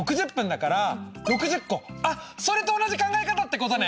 それと同じ考え方ってことね！